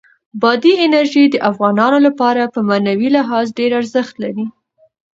بادي انرژي د افغانانو لپاره په معنوي لحاظ ډېر ارزښت لري.